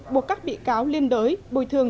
buộc các bị cáo liên đối bồi thường